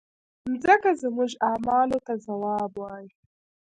مځکه زموږ اعمالو ته ځواب وایي.